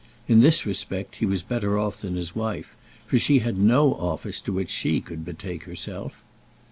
In this respect he was better off than his wife, for she had no office to which she could betake herself.